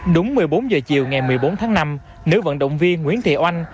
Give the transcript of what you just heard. đúng một mươi bốn h chiều ngày một mươi bốn tháng năm nữ vận động viên nguyễn thị oanh